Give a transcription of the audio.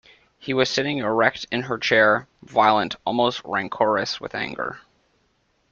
He was sitting erect in her chair, violent, almost rancorous with anger.